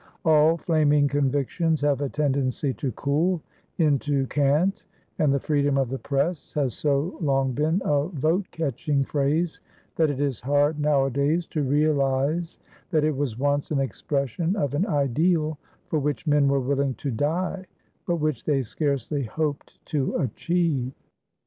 All flaming convictions have a tendency to cool into cant, and "the Freedom of the Press" has so long been a vote catching phrase that it is hard nowadays to realize that it was once an expression of an ideal for which men were willing to die but which they scarcely hoped to achieve.